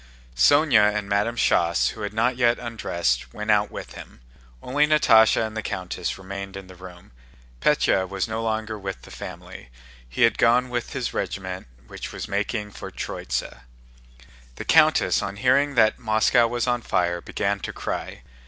Sónya and Madame Schoss, who had not yet undressed, went out with him. Only Natásha and the countess remained in the room. Pétya was no longer with the family, he had gone on with his regiment which was making for Tróitsa. The countess, on hearing that Moscow was on fire, began to cry.